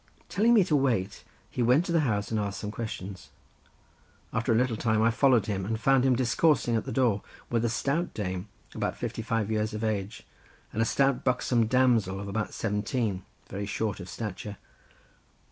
Telling me to wait, he went to the house, and asked some questions. After a little time I followed him and found him discoursing at the door with a stout dame about fifty five years of age, and a stout buxom damsel of about seventeen, very short of stature.